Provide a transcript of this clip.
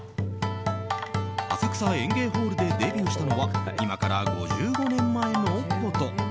浅草演芸ホールでデビューしたのは今から５５年前のこと。